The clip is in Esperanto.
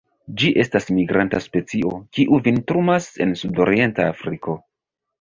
Ĝi estas migranta specio, kiu vintrumas en sudorienta Afriko.